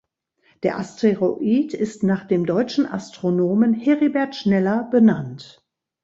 Der Asteroid ist nach dem deutschen Astronomen Heribert Schneller benannt.